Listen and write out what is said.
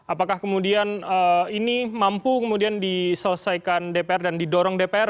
apakah kemudian ini mampu kemudian diselesaikan dpr dan didorong dpr